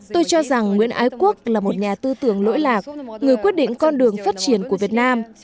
tôi cho rằng nguyễn ái quốc là một nhà tư tưởng lỗi lạc người quyết định con đường phát triển của việt nam